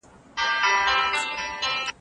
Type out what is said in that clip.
هغه د ګرجستان د والي په توګه له پاچا سرغړونه وکړه.